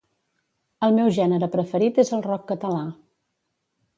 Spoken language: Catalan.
El meu gènere preferit és el rock català.